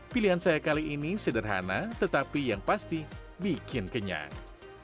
pilihan saya kali ini sederhana tetapi yang pasti bikin kenyang